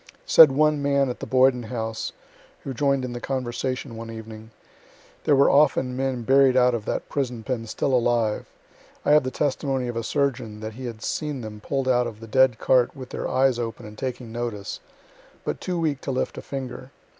Said one old man at the Boyden House, who join'd in the conversation one evening: 'There were often men buried out of that prison pen still alive. I have the testimony of a surgeon that he had seen them pull'd out of the dead cart with their eyes open and taking notice, but too weak to lift a finger.